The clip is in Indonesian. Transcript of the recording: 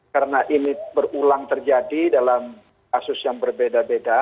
karena ini berulang terjadi dalam kasus yang berbeda beda